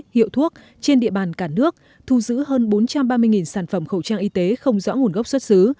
hiệu thuốc trên địa bàn cả nước thu giữ hơn bốn trăm ba mươi sản phẩm khẩu trang y tế không rõ nguồn gốc xuất xứ